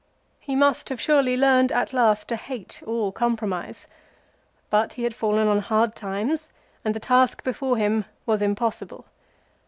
He must have surely learned at last to hate all compromise. But he had fallen on ^hard times, and the task before him was impossible.